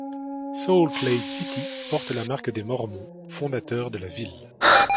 Salt Lake City porte la marque des mormons, fondateurs de la ville.